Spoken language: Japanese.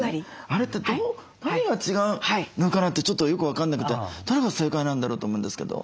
あれって何が違うのかな？ってちょっとよく分かんなくてどれが正解なんだろう？と思うんですけど。